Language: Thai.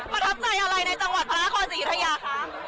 ประทับใจอะไรในจังหวัดพระนครศรียุธยาคะ